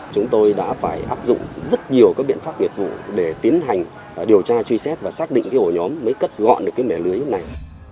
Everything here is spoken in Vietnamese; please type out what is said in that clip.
chúng tôi đã phải áp dụng rất nhiều các biện pháp nghiệp vụ để tiến hành điều tra truy xét và xác định cái ổ nhóm mới cất gọn được cái mẻ lưới như thế này